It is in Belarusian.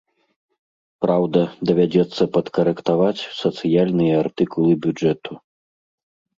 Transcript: Праўда, давядзецца падкарэктаваць сацыяльныя артыкулы бюджэту.